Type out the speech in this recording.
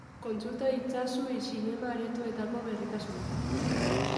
Kontsulta itzazu zinema-aretoetako berritasunak.